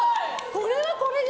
これはこれで。